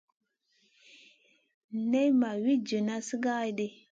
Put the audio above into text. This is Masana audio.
Nen may wi djuna sigara di.